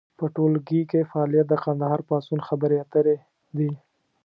په ټولګي کې فعالیت د کندهار پاڅون خبرې اترې دي.